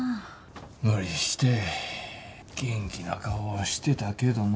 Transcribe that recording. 無理して元気な顔はしてたけどな。